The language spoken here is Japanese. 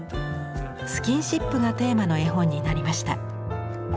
スキンシップがテーマの絵本になりました。